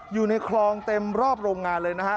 อยู่ในคลองเต็มรอบโรงงานเลยนะฮะ